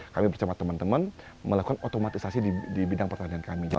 kami bersama teman teman melakukan otomatisasi di bidang pertanian kami